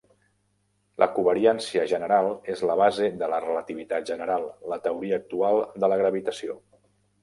La covariància general és la base de la relativitat general, la teoria actual de la gravitació.